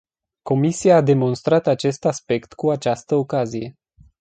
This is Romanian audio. Comisia a demonstrat acest aspect cu această ocazie.